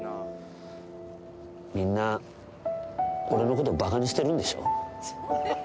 みんな、俺のことばかにしてるんでしょ。